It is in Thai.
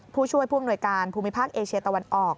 ผู้ช่วยผู้อำนวยการภูมิภาคเอเชียตะวันออก